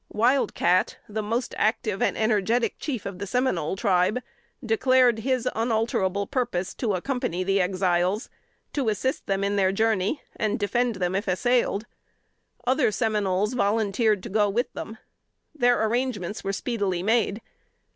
Wild Cat, the most active and energetic chief of the Seminole Tribe, declared his unalterable purpose to accompany the Exiles; to assist them in their journey, and defend them, if assailed. Other Seminoles volunteered to go with them. Their arrangements were speedily made.